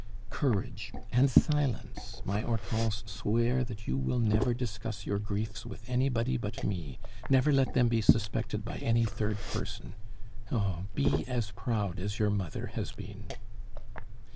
Courage and silence! My Hortense, swear that you will never discuss your griefs with anybody but me, never let them be suspected by any third person. Oh! be as proud as your mother has been."